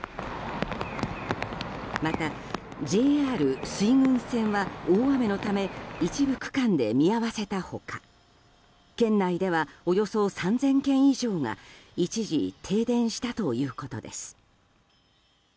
またＪＲ水郡線は大雨のため一部区間で見合わせた他県内ではおよそ３０００軒以上が一時停電したということです。